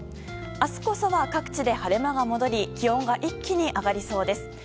明日こそは各地で晴れ間が戻り気温が一気に上がりそうです。